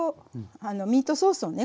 ミートソースをね